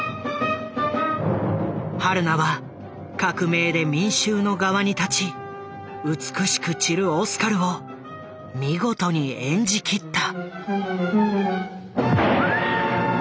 榛名は革命で民衆の側に立ち美しく散るオスカルを見事に演じ切った。